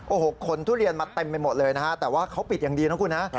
โอ้โหขนทุเรียนมาเต็มไปหมดเลยนะฮะแต่ว่าเขาปิดอย่างดีนะคุณฮะ